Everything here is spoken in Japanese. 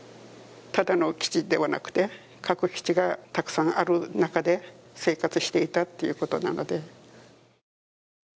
ただの基地ではなくて核基地がたくさんある中で生活していたっていうことなので。